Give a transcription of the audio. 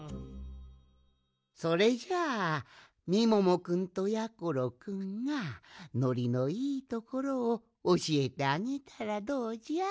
それじゃあみももくんとやころくんがのりのいいところをおしえてあげたらどうじゃ？